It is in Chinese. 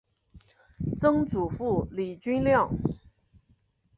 曾祖父李均亮。